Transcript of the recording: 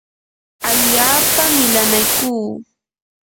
allaapa milanaykuu.